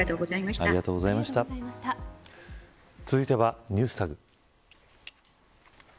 続いてはいＮｅｗｓＴａｇ。